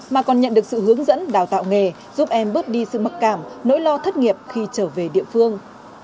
mà còn nhận được sự hướng dẫn đào tạo nghề giúp em bớt đi sự mặc cảm nỗi lo thất nghiệp khi trở về địa phương